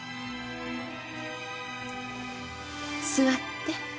座って。